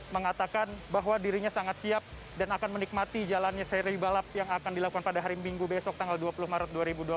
mengatakan bahwa dirinya sangat siap dan akan menikmati jalannya seri balap yang akan dilakukan pada hari minggu besok tanggal dua puluh maret dua ribu dua puluh